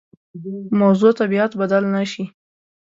موضوع طبیعت بدل نه شي.